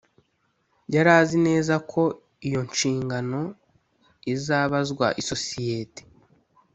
yari azi neza ko iyo nshingano izabazwa isosiyete